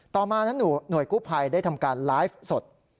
ต่อมานั้นหน่วยกู้ภัยได้ทำการไลฟ์สด